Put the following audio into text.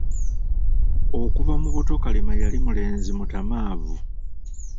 Okuva mu buto Kalema yali mulenzi mutaamanvu.